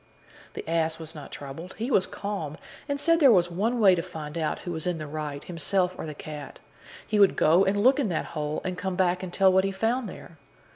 The ass was not troubled; he was calm, and said there was one way to find out who was in the right, himself or the cat: he would go and look in that hole, and come back and tell what he found there.